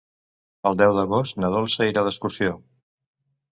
El deu d'agost na Dolça irà d'excursió.